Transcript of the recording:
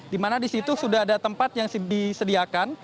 di mana di situ sudah ada tempat yang disediakan